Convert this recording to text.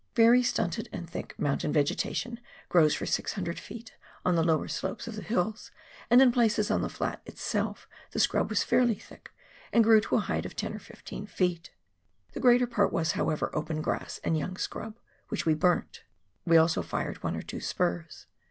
Very stunted and thick mountain vegetation grows for 600 ft. on the lower slopes of the hills, and in places on the flat itself the scrub was fairly thick and grew to a height of 10 or 15 feet. The greater part was, however, open grass and young scrub, which we burnt ; we also fired one or two spurs.